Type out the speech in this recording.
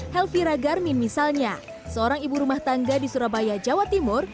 helvira garmin misalnya seorang ibu rumah tangga di surabaya jawa timur